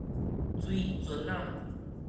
水捘仔